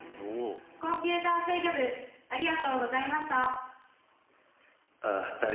コンピューター制御部ありがとうございました。